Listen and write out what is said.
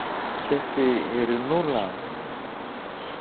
Και συ, Ειρηνούλα;